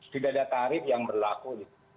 tidak ada tarif yang berlaku